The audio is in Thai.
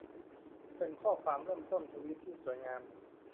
เป็นข้อความเริ่มต้นทวีตที่สวยงาม